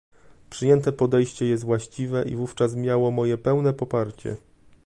Przyjęte podejście jest właściwe i wówczas miało moje pełne poparcie